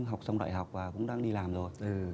học xong đại học và cũng đang đi làm rồi